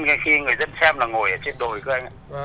người dân xem là ngồi ở trên đồi cơ anh ạ